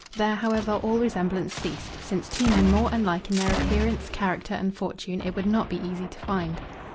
There, however, all resemblance ceased, since two men more unlike in their appearance, character, and fortune it would not be easy to find.